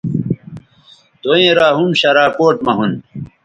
دوئیں را ھُم شراکوٹ مہ ھُون